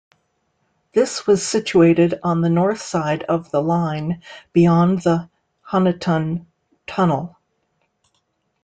This was situated on the north side of the line beyond the Honiton Tunnel.